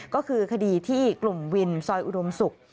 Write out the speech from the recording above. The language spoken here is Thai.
ก็คือคดีที่กลุ่มวินซอยอุดมศุกร์